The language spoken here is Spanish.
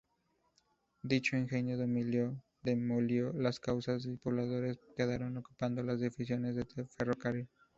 Dicho ingenio demolió las casas y sus pobladores quedaron ocupando las edificaciones del ferrocarril.